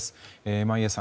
眞家さん